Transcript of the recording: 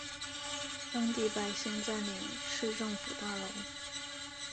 当地百姓占领市政府大楼。